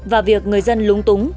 và việc người dân lung túng